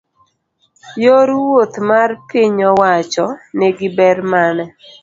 yor wuoth mar piny owacho ni gi ber mane?